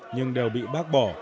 nhưng đều bị bác bỏ